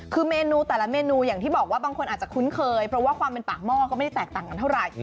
คือเมนูแต่ละเมนูอย่างที่บอกว่าบางคนอาจจะคุ้นเคยเพราะว่าความเป็นปากหม้อก็ไม่ได้แตกต่างกันเท่าไหร่